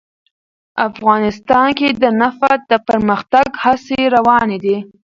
افغانستان کې د نفت د پرمختګ هڅې روانې دي.